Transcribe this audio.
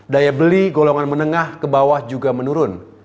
daya beli golongan menengah ke bawah juga menurun